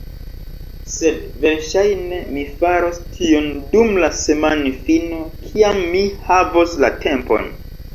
Sed verŝajne mi faros tion dum la semajnfino kiam mi havos la tempon.